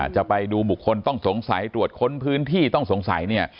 จะไปดูบุคคลต้องสงสัยตรวจค้นพื้นที่ต้องสงสัยเนี่ย